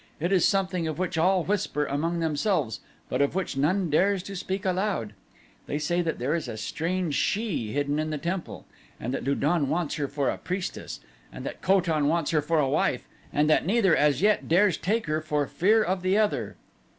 It is something of which all whisper among themselves but of which none dares to speak aloud. They say that there is a strange she hidden in the temple and that Lu don wants her for a priestess and that Ko tan wants her for a wife and that neither as yet dares take her for fear of the other."